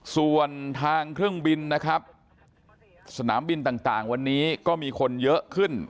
ส่วนทางเครื่องบินนะครับสนามบินต่างวันนี้ก็มีคนเยอะขึ้น